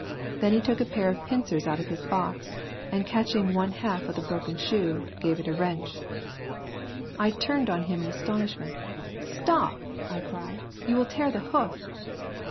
Then he took a pair of pincers out of his box, and catching one half of the broken shoe, gave it a wrench. I turned on him in astonishment. "Stop," I cried, "you will tear the hoof."